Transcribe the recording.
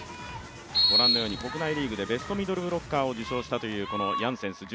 ご覧のように国内リーグでベストミドルブロッカー賞を受賞した。